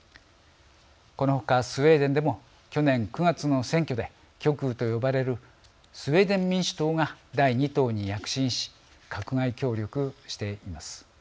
この他、スウェーデンでも去年９月の選挙で極右と呼ばれるスウェーデン民主党が第２党に躍進し閣外協力しています。